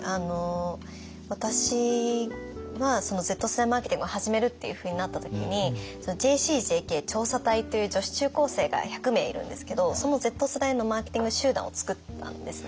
私はＺ世代マーケティングを始めるっていうふうになった時にＪＣＪＫ調査隊という女子中高生が１００名いるんですけどそのＺ世代のマーケティング集団を作ったんですね。